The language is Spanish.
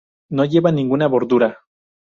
No lleva ninguna bordura.